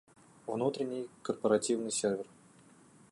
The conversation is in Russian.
Внутренний корпоративный сервер